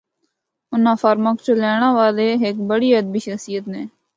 اناں فورماں کو چلینڑا والے ہک بڑی ادبی شخصیت نے۔